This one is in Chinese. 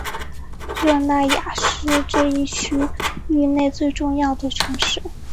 热那亚是这一区域内最重要的城市。